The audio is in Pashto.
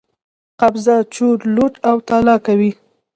قبضه، چور، لوټ او تالا کوي.